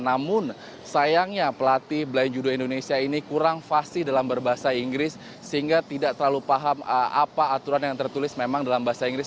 namun sayangnya pelatih blind judo indonesia ini kurang fasih dalam berbahasa inggris sehingga tidak terlalu paham apa aturan yang tertulis memang dalam bahasa inggris